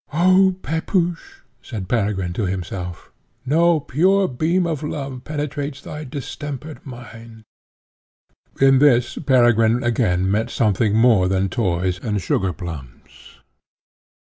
"Oh, Pepusch!" said Peregrine to himself, "no pure beam of love penetrates thy distempered mind." In this Peregrine again meant something more than toys and sugar plums.